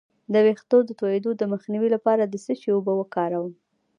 د ویښتو د تویدو مخنیوي لپاره د څه شي اوبه وکاروم؟